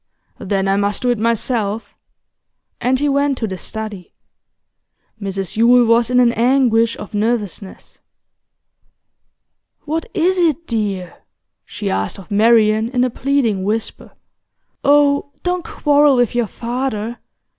'Then I must do it myself' And he went to the study. Mrs Yule was in an anguish of nervousness. 'What is it, dear?' she asked of Marian, in a pleading whisper. 'Oh, don't quarrel with your father!